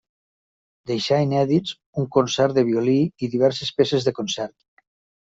Deixà inèdits un concert de violí, i diverses peces de concert.